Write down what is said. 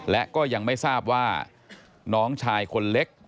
และก็ยังไม่ทราบว่าน้องชายคนเล็ก